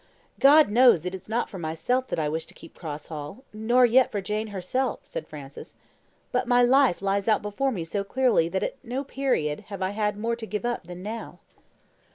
"God knows it is not for myself that I wish to keep Cross Hall, nor yet for Jane herself," said Francis. "But my life lies out before me so clearly that at no period have I had more to give up than now."